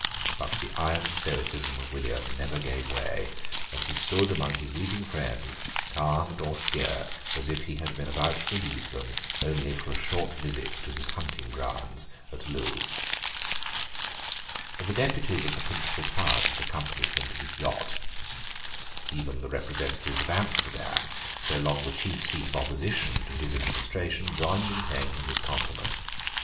But the iron stoicism of William never gave way; and he stood among his weeping friends calm and austere as if he had been about to leave them only for a short visit to his hunting grounds at Loo. The deputies of the principal towns accompanied him to his yacht. Even the representatives of Amsterdam, so long the chief seat of opposition to his administration, joined in paying him this compliment.